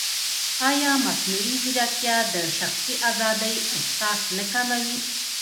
ایا مصنوعي ځیرکتیا د شخصي ازادۍ احساس نه کموي؟